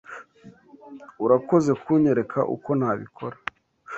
Urakoze kunyereka uko nabikora.